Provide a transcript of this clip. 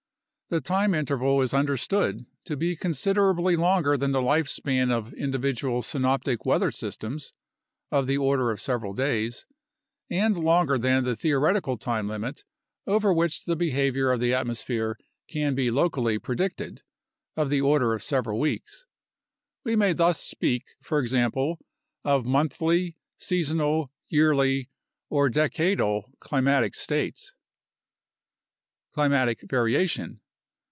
The time interval is understood to be considerably longer than the life span of individual synoptic weather systems (of the order of several days) and longer than the theoretical time limit over which the behavior of the atmosphere can be locally predicted (of the order of several weeks) . We may thus speak, for example, of monthly, seasonal, yearly, or decadal climatic states. Climatic variation.